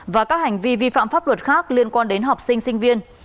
và các hành vi vi phạm pháp luật khác liên quan đến học sinh sinh viên